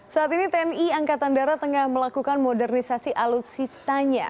saat ini tni angkatan darat tengah melakukan modernisasi alutsistanya